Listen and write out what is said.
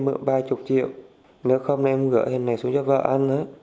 hùng mượn ba mươi triệu nếu không em gửi hình này xuống cho vợ ăn